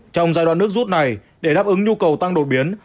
trong giai đoạn nước rút này để đáp ứng nhu cầu tăng đột biến